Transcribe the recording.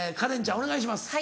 お願いします。